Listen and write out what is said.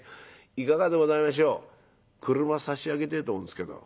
いかがでございましょう俥差し上げてえと思うんですけど」。